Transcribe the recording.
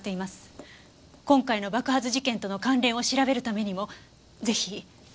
今回の爆発事件との関連を調べるためにもぜひ。